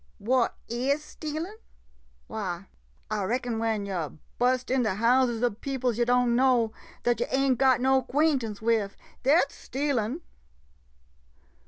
What is stealin' ? Why — I reckon, when yo' bust in de houses ob peoples yo' don't know — dat yo' ain't got no 'quaintance wif — dat 's stealin'